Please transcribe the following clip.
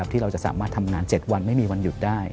ที่เราจะสามารถทำงาน๗วันไม่มีวันหยุดได้